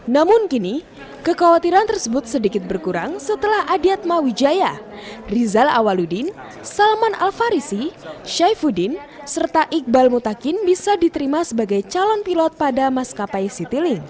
namun kini kekhawatiran tersebut sedikit berkurang setelah adiatma wijaya rizal awaludin salman al farisi syaifuddin serta iqbal mutakin bisa diterima sebagai calon pilot pada maskapai citylink